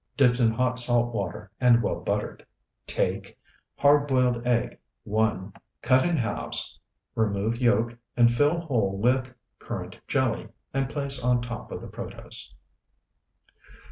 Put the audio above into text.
Dipped in hot salt water, and well buttered. Take Hard boiled egg, 1, Cut in halves, remove yolk, and fill hole with Currant jelly, And place on top of the protose.